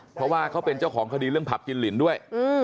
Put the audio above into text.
เพราะว่าเขาเป็นเจ้าของคดีเรื่องผับกินลินด้วย